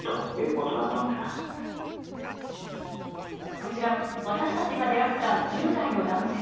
こちら、私たちが出会った１０代の男性。